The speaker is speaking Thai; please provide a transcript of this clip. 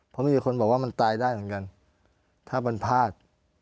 เพราะมีคนบอกว่ามันตายได้เหมือนกันถ้ามันพลาด